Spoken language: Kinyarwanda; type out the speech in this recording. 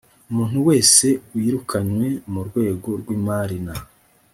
umuntu wese wirukanywe mu rwego rw imari na